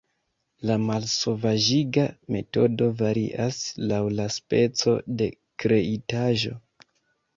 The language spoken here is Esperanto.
La malsovaĝiga metodo varias laŭ la speco de kreitaĵo.